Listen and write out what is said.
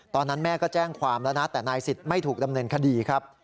ตอนนั้นแม่ก็แจ้งความแล้วนะแต่นายสิทธิ์ไม่ถูกดำเนินคดีครับ